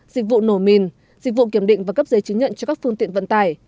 dịch vụ nổ mìn dịch vụ kiểm định và cấp giấy chứng nhận cho các phương tiện vận tải